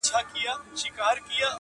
• لا معیار د سړیتوب مال و دولت دی..